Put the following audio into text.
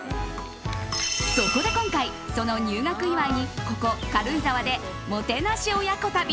そこで今回、その入学祝いにここ軽井沢でもてなし親子旅。